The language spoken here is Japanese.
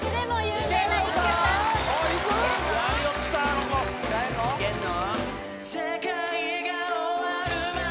ここいけんの？